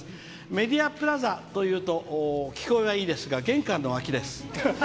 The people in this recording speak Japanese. メディアプラザというと聞こえはいいですが玄関の脇です。